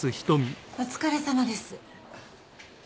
お疲れさまです。